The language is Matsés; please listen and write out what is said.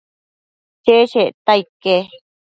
cheshecta ique